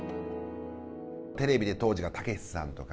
テレビで当時がたけしさんとか。